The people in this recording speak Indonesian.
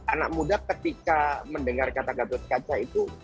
anak muda ketika mendengar kata gatot kaca itu